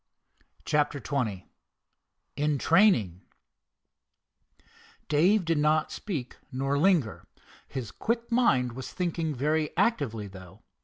CHAPTER XX IN TRAINING Dave did not speak nor linger. His quick mind was thinking very actively, though.